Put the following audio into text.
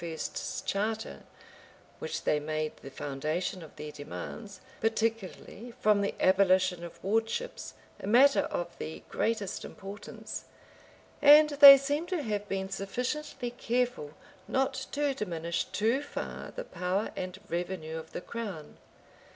's charter, which they made the foundation of their demands, particularly from the abolition of wardships, a matter of the greatest importance; and they seem to have been sufficiently careful not to diminish too far the power and revenue of the crown.